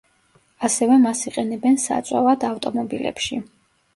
ასევე მას იყენებენ საწვავად ავტომობილებში.